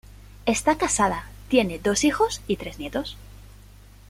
Está casada, tiene dos hijos, y tres nietos.